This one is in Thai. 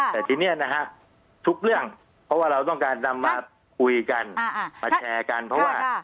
แต่ทีนี้นะฮะทุกเรื่องเพราะว่าเราต้องการนำมาคุยกันมาแชร์กันเพราะว่า